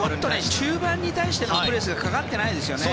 中盤に対してのプレスがかかっていないですよね。